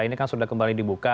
ini kan sudah kembali dibuka